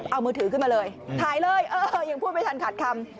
เอามือถือขึ้นมาเลยถ่ายเลยเออยังพูดไม่ทันขาดคำ